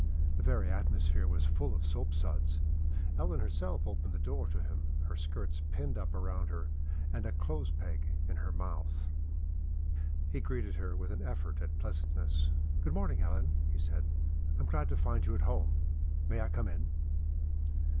The very atmosphere was full of soapsuds. Ellen herself opened the door to him, her skirts pinned up around her, and a clothes peg in her mouth. He greeted her with an effort at pleasantness. "Good morning, Ellen," he said. "I am glad to find you at home. May I come in?"